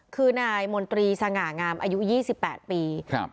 คือนายมนตรีสง่างามอายุ๒๘ปีครับ